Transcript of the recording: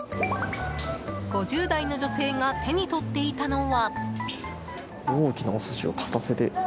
５０代の女性が手に取っていたのは。